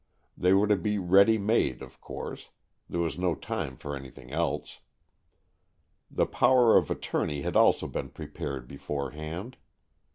They were to be ready made, of course; there was no time for anything else. The power of attorney had also been prepared beforehand.